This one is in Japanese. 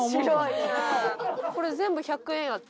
これ全部１００円やって。